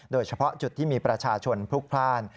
โดยเฉพาะจุดที่มีประชาชนพลุกพลาด